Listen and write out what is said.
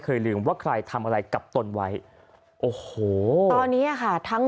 ลืมว่าใครทำอะไรกับตนไว้โอ้โหตอนนี้อ่ะค่ะทั้ง